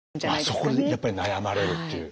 あっそこにやっぱり悩まれるっていう。